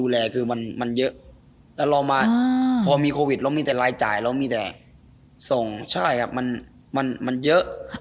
แล้วเรามาพอมีโควิดเรามีแต่รายจ่ายแล้วมีแต่ส่งใช่อะมันเยอะ